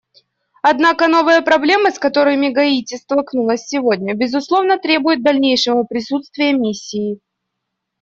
Однако новые проблемы, с которыми Гаити столкнулась сегодня, безусловно, требуют дальнейшего присутствия Миссии.